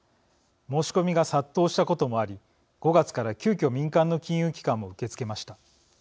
申し込みが殺到したこともあり５月から急きょ民間の金融機関も受け付けました。